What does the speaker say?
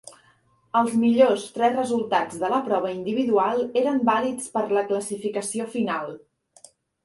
Els millors tres resultats de la prova individual eren vàlids per a la classificació final.